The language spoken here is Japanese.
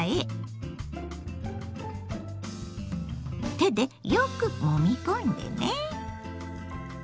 手でよくもみ込んでね。